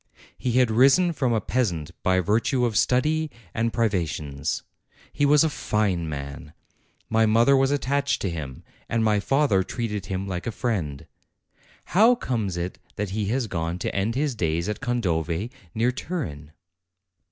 He had risen from a peasant by virtue of study and privations. He was a fine man. My mother was attached to him, and my father treated him like a friend. How comes it that he has gone to end his days at Condove, near Turin?